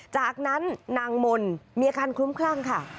จากนั้นนางมนต์มีอาการคลุ้มคลั่งค่ะ